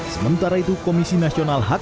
sementara itu komisi nasional hak